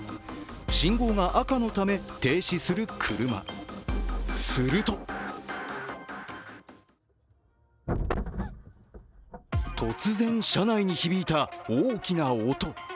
信号が赤のため停止する車すると突然、車内に響いた大きな音。